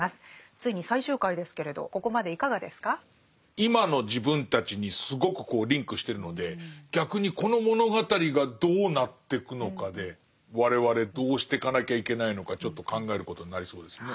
今の自分たちにすごくこうリンクしてるので逆にこの物語がどうなってくのかで我々どうしてかなきゃいけないのかちょっと考えることになりそうですね。